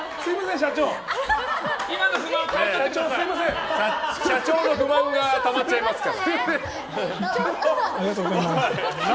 社長の不満がたまっちゃいますから。